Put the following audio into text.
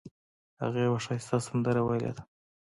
هغه یوه ښایسته سندره ویلې ده